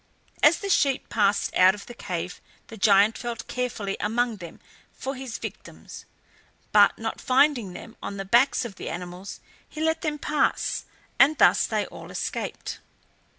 As the sheep passed out of the cave the giant felt carefully among them for his victims, but not finding them on the backs of the animals he let them pass, and thus they all escaped.